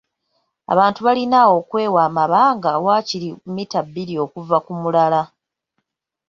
Abantu balina okwewa amabanga waakiri mmita bbiri okuva ku mulala.